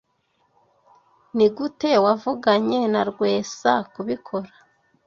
Nigute wavuganye na Rwesa kubikora?